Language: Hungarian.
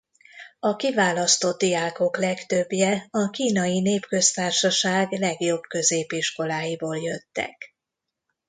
A kiválasztott diákok legtöbbje a Kínai Népköztársaság legjobb középiskoláiból jöttek.